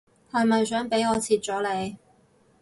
係咪想俾我切咗你